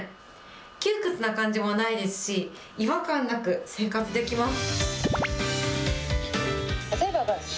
窮屈な感じもないですし、違和感なく、生活できます。